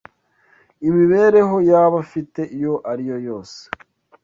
Imibereho yaba afite iyo ariyo yose